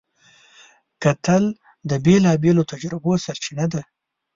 کتل د بېلابېلو تجربو سرچینه ده